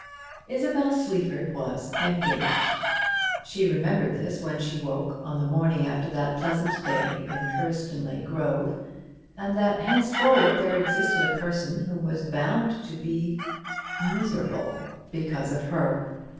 Isabel Sleaford was "engaged." She remembered this when she woke on the morning after that pleasant day in Hurstonleigh grove, and that henceforward there existed a person who was bound to be miserable because of her.